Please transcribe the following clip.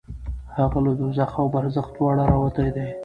هغه له دوزخ او برزخ دواړو راوتی دی.